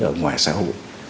ở ngoài xã hội